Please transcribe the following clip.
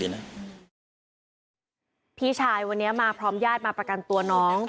พี่ชายวันนี้มาพร้อมญาติมาประกันตัวน้อง